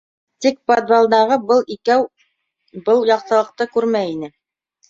Тик подвалдағы был икәү был яҡтылыҡты күрмәй ине.